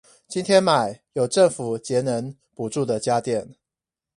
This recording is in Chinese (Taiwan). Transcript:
今天買有政府節能補助的家電